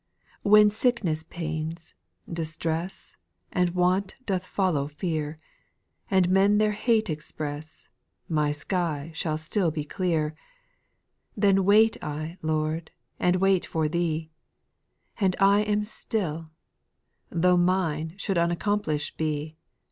6. When sickness pains, distress. And want doth follow fear, And men their hate express. My sky shall still be clear. Then wait I, Lord, and wait for Thee ; And I am still — Tho' mine should unaccomplished be.